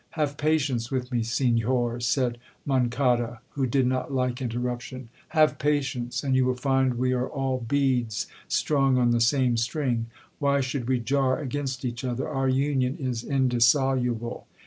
'—'Have patience with me, Senhor,' said Monçada, who did not like interruption; 'have patience, and you will find we are all beads strung on the same string. Why should we jar against each other? our union is indissoluble.'